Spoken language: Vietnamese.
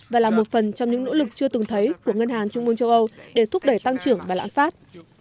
và là một phần trong những nỗ lực chưa từng thấy của ngân hàng trung mương châu âu để thúc đẩy tăng trưởng và lãm phát